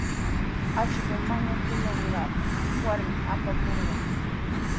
Akshu mañakullanqaatami warmi apamurqan.